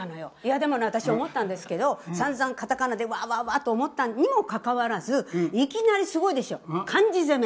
でもね私思ったんですけどさんざんカタカナでワーワーワーと思ったにもかかわらずいきなりすごいでしょ漢字攻め。